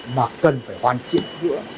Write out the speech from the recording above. mà cần phải hoàn chỉnh giữa